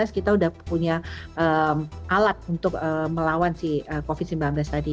kita udah punya alat untuk melawan si covid sembilan belas tadi